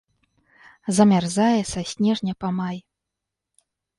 Замярзае са снежня па май.